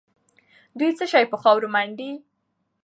دوی څه شي په خاورو منډي؟